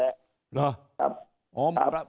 แหละหนึ่งครับ